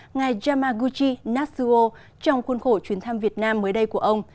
ngài yamaguchi natsuo trong khuôn khổ chuyến thăm việt nam mới đây của ông